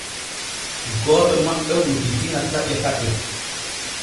Gooto maɓɓe wudditi ŋa taƴe taƴe.